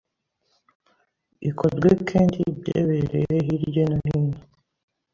ikorwe kendi byebererye hirye no hino